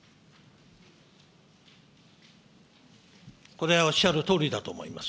これはおっしゃるとおりだと思います。